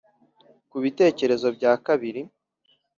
ku bitekerezo bya kabiri